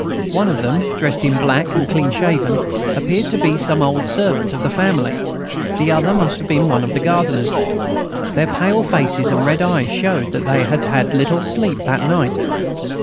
One of them, dressed in black and clean shaven, appeared to be some old servant of the family, the other must have been one of the gardeners. Their pale faces and red eyes showed that they had had little sleep that night.